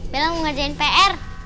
bel mau ngerjain pr